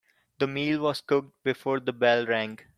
The meal was cooked before the bell rang.